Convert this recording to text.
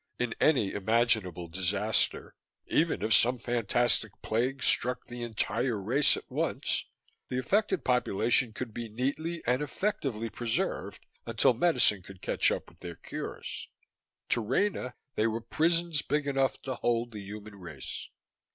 In any imaginable disaster even if some fantastic plague struck the entire race at once the affected population could be neatly and effectively preserved until medicine could catch up with their cures. To Rena, they were prisons big enough to hold the human race.